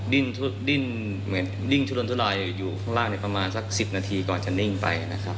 ดิ้นเหมือนดิ้นทุรนทุลายอยู่ข้างล่างประมาณสัก๑๐นาทีก่อนจะนิ่งไปนะครับ